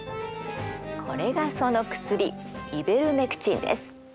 これがその薬イベルメクチンです。